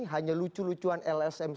hanya lucu lucuan lsm